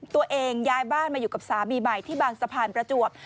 ย้ายบ้านมาอยู่กับสามีใหม่ที่บางสะพานประจวบ